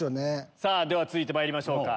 では続いてまいりましょうか。